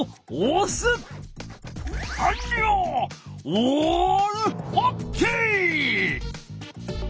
オールオッケー！